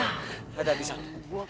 tidak ada habis satu